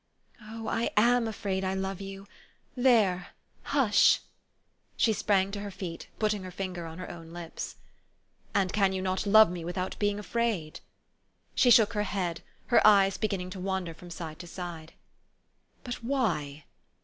"Oh! I am afraid I love you! There, hush!" 186 HE STORY OF AVIS. She sprang to her feet, putting her finger on her own lips. " And can you not love me without being afraid? " She shook her head, her eyes beginning to wander from side to side. "But why?"